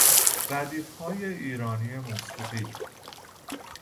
ردیف های ایرانی موسیقی